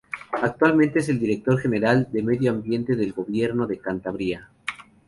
Actualmente, es el director general de Medio Ambiente del Gobierno de Cantabria.